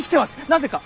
なぜか？